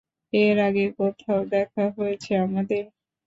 এর আগে কোথাও দেখা হয়েছে আমাদের?